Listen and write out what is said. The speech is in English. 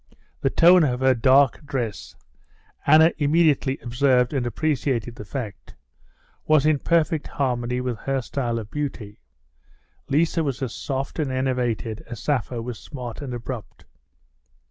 The tone of her dark dress (Anna immediately observed and appreciated the fact) was in perfect harmony with her style of beauty. Liza was as soft and enervated as Sappho was smart and abrupt.